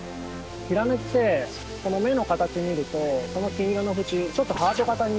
ヒラメってこの目の形見るとこの金色の縁ちょっとハート形になってる。